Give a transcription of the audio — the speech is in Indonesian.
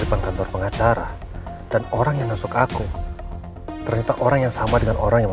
depan kantor pengacara dan orang yang masuk aku ternyata orang yang sama dengan orang yang